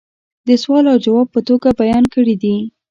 دسوال او جواب په توگه بیان کړي دي